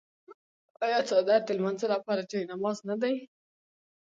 آیا څادر د لمانځه لپاره جای نماز نه دی؟